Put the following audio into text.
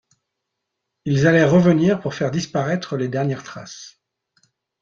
Ils allaient revenir pour faire disparaître les dernières traces.